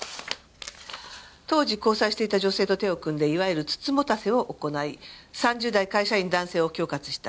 当時交際していた女性と手を組んでいわゆる美人局を行い３０代会社員男性を恐喝した。